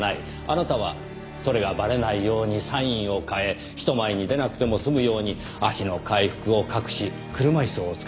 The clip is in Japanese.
あなたはそれがバレないようにサインを変え人前に出なくても済むように足の回復を隠し車椅子をお使いになってる。